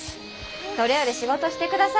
それより仕事してください。